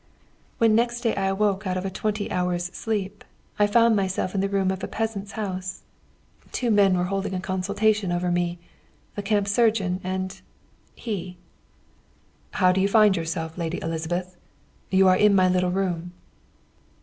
"When next day I awoke out of a twenty hours' sleep, I found myself in the room of a peasant's house. Two men were holding a consultation over me the camp surgeon and 'he.' 'How do you find yourself, lady Elizabeth? You are in my little room.'